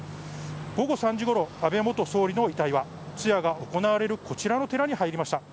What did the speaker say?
午後３時ごろ、安倍元総理の遺体は通夜が行われるこちらの寺に入りました。